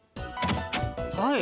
はい。